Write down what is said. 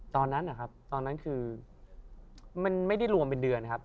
ตอนนั้นนะครับตอนนั้นคือมันไม่ได้รวมเป็นเดือนนะครับ